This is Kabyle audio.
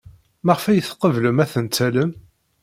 Maɣef ay tqeblem ad ten-tallem?